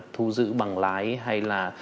thu giữ bằng lái hay là